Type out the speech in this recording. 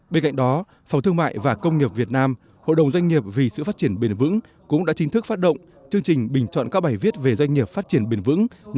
bên cạnh đó phòng thương mại và công nghiệp việt nam hội đồng doanh nghiệp vì sự phát triển bền vững cũng đã chính thức phát động chương trình bình chọn các bài viết về doanh nghiệp phát triển bền vững năm hai nghìn một mươi chín